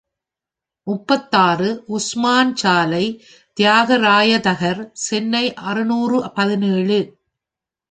முப்பத்தாறு, உஸ்மான் சாலை, தியாகராய தகர், சென்னை அறுநூறு பதினேழு .